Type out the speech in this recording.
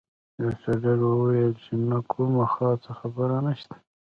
لیسټرډ وویل چې نه کومه خاصه خبره نشته.